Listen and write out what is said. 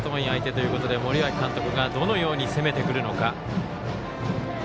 大阪桐蔭相手ということで森脇監督がどのように攻めてくるのか。